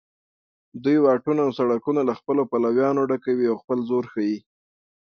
دوی واټونه او سړکونه له خپلو پلویانو ډکوي او خپل زور ښیي